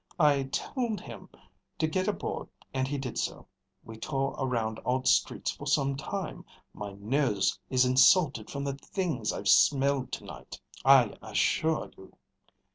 I told him to get aboard and he did so. We tore around odd streets for some time. My nose is insulted from the things I've smelled tonight, I assure you.